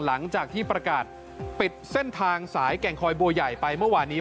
หลังจากที่ประกาศปิดเส้นทางสายแก่งคอยบัวใหญ่ไปเมื่อวานนี้